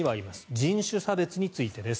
人種差別についてです。